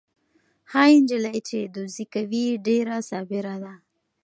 هغه نجلۍ چې دوزي کوي ډېره صابره ده.